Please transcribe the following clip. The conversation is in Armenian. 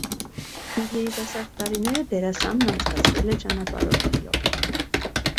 Իր երտասարդ տարիները դերասանն անցկացրել է ճանապարհորդելով։